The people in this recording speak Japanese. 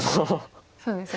そうですよね